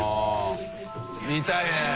見たいね！